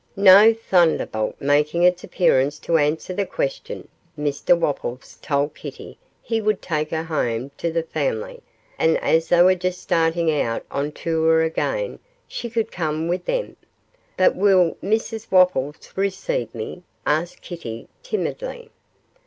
No thunderbolt making its appearance to answer the question, Mr Wopples told Kitty he would take her home to the family, and as they were just starting out on tour again, she could come with them. 'But will Mrs Wopples receive me?' asked Kitty, timidly.